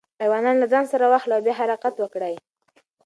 ایوانان له ځان سره واخلئ او بیا حرکت وکړئ.